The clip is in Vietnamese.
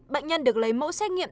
bệnh nhân được lấy mẫu xét nghiệm